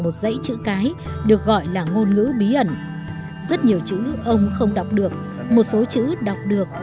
một dãy chữ cái được gọi là ngôn ngữ bí ẩn rất nhiều chữ ông không đọc được một số chữ đọc được